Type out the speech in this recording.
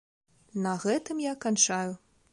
На гэтым я канчаю.